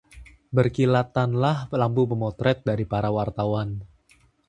berkilatanlah lampu pemotret dari para wartawan